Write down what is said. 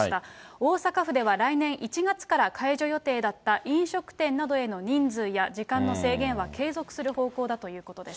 大阪府では来年１月から解除予定だった、飲食店などへの人数や時間の制限は継続する方向だということです。